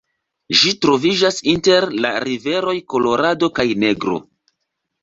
Ĝi troviĝas inter la riveroj Kolorado kaj Negro.